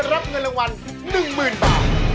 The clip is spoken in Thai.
รับเงินรางวัลหนึ่งหมื่นบาท